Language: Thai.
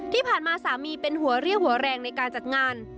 ที่ผ่านมาสามีเป็นหัวเรี่ยวหัวแรงในการจัดงาน